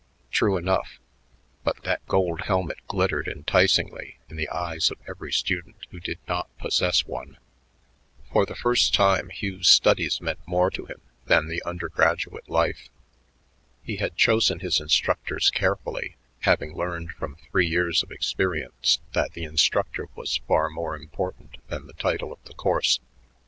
True enough, but that gold helmet glittered enticingly in the eyes of every student who did not possess one. For the first time Hugh's studies meant more to him than the undergraduate life. He had chosen his instructors carefully, having learned from three years of experience that the instructor was far more important than the title of the course.